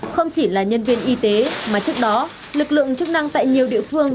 không chỉ là nhân viên y tế mà trước đó lực lượng chức năng tại nhiều địa phương